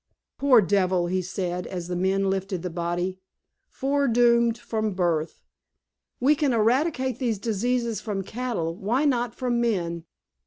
"Poor devil!" he said, as the men lifted the body. "Foredoomed from birth! We can eradicate these diseases from cattle. Why not from men!"